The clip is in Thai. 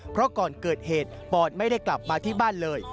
เพราะก่อนเกิดเหตุปอนไม่ได้กลับมาที่บ้านเลย